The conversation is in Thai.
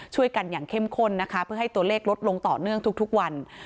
ช่วยกันอย่างเข้มข้นนะคะเพื่อให้ตัวเลขลดลงต่อเนื่องทุกวัน